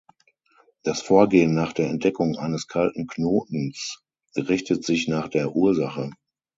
Das Vorgehen nach der Entdeckung eines kalten Knotens richtet sich nach der Ursache.